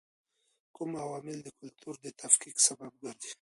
کوم عوامل د کلتور د تفکیک سبب ګرځي؟